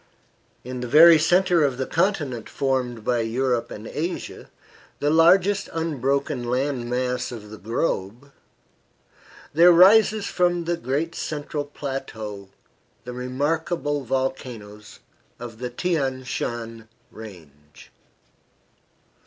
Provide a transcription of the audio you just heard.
In the very centre of the continent formed by Europe and Asia, the largest unbroken land mass of the globe, there rises from the great central plateau the remarkable volcanoes of the Thian Shan Range.